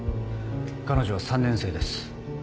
彼女は３年生です。